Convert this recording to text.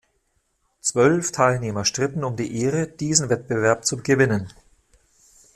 Zwölf Teilnehmer stritten um die Ehre, diesen Wettbewerb zu gewinnen.